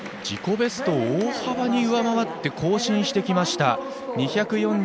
自己ベストを大幅に上回って更新してきました。